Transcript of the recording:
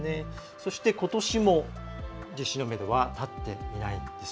そして、ことしも実施のめどは立っていないんです。